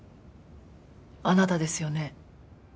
あなたですよね。